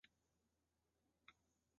学院在庆和省金兰市也开设了校区。